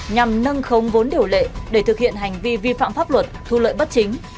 nhằm nâng không vốn điều lệ để thực hiện hành vi vi phạm pháp luật thu lợi bất chính